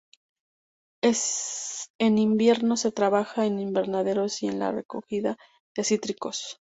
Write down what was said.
En invierno se trabaja en invernaderos y en la recogida de cítricos.